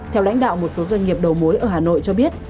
theo lãnh đạo một số doanh nghiệp đầu mối ở hà nội cho biết